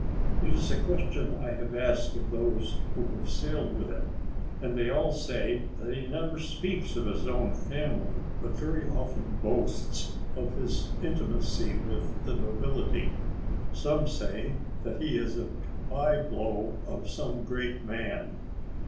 "It is a question I have asked of those who have sailed with him, and they all say that he never speaks of his own family, but very often boasts of his intimacy with the nobility. Some say that he is a bye blow of some great man."